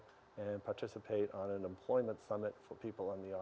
dan berpartisipasi di summit pekerjaan